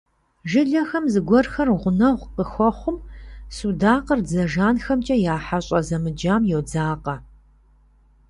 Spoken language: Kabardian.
Жылэхэм зыгуэрхэр гъунэгъу къыхуэхъум, судакъыр дзэ жанхэмкӀэ а хьэщӀэ зэмыджам йодзакъэ.